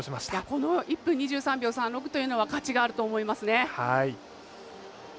この１分２３秒３６というのは価値があると思いますね。